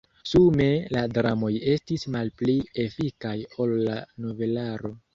Sume la dramoj estis malpli efikaj ol la novelaro.